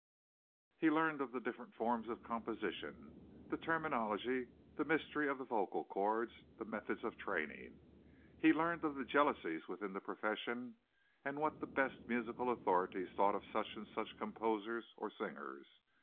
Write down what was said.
He learned of the different forms of composition, the terminology, the mystery of the vocal cords, the methods of training. He learned of the jealousies within the profession, and what the best musical authorities thought of such and such composers, or singers.